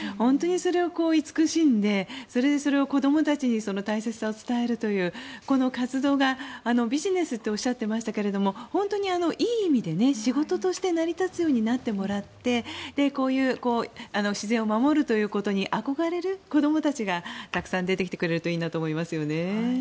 それをいつくしんでそれでそれを子どもたちにその大切さを伝えるというこの活動が、ビジネスっておっしゃっていましたけど本当にいい意味で仕事として成り立つようになってもらってこういう自然を守るということに憧れる子どもたちがたくさん出てきてくれるといいなと思いますよね。